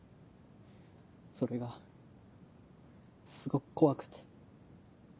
それがすごく怖くて。